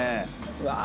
うわ。